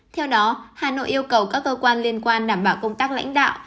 theo đó hà nội yêu cầu các cơ quan liên quan đảm bảo công tác lãnh đạo